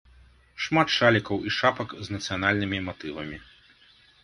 Шмат шалікаў і шапак з нацыянальнымі матывамі.